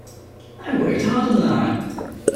I worked hard on that!